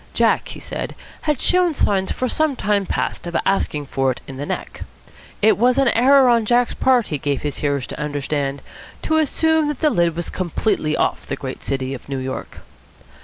Jack, he said, had shown signs for some time past of asking for it in the neck. It was an error on Jack's part, he gave his hearers to understand, to assume that the lid was completely off the great city of New York.